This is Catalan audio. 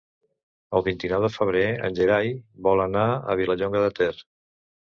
El vint-i-nou de febrer en Gerai vol anar a Vilallonga de Ter.